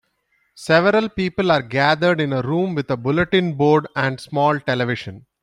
Several people are gathered in a room with a bulletin board and small television.